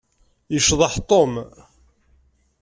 Yecḍeḥ Tom.